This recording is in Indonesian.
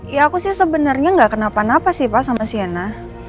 ya aku sih sebenernya gak kenapa napa sih sama sienna